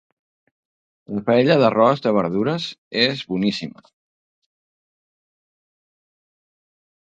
La paella d'arròs de verdures és boníssima